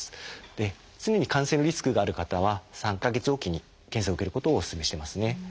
で常に感染のリスクがある方は３か月置きに検査を受けることをお勧めしてますね。